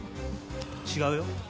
違うよ。